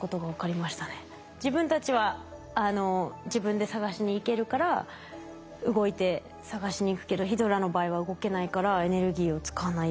自分たちは自分で探しに行けるから動いて探しに行くけどヒドラの場合は動けないからエネルギーを使わないようにみたいな。